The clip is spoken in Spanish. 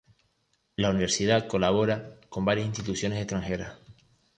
La Universidad colabora con varias instituciones extranjeras.